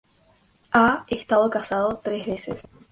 Ha estado casado tres veces.